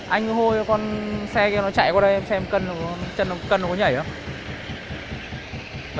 anh cứ hôi cho con xe kia nó chạy qua đây xem cân nó có nhảy không